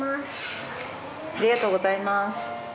ありがとうございます。